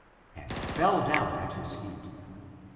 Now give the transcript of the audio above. " and fell down at his feet.